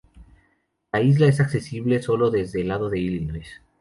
La isla es accesible solo desde el lado de Illinois.